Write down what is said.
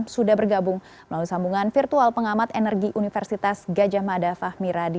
sudah bergabung melalui sambungan virtual pengamat energi universitas gajah mada fahmi radi